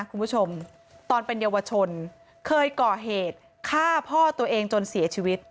คุณผู้ชมตอนเป็นเยาวชนเคยก่อเหตุฆ่าพ่อตัวเองจนเสียชีวิต